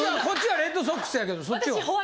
こっちはレッドソックスやけどそっちは？